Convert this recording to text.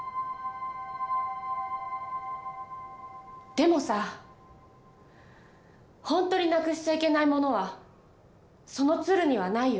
でもさ本当になくしちゃいけないものはその鶴にはないよ。